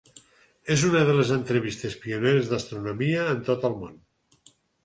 És una de les revistes pioneres d'astronomia en tot el món.